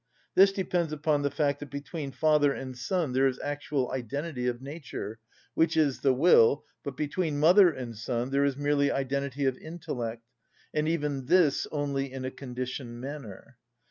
This depends upon the fact that between father and son there is actual identity of nature, which is the will, but between mother and son there is merely identity of intellect, and even this only in a conditioned manner.